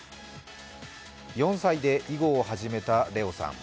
４歳で囲碁を始めた怜央さん。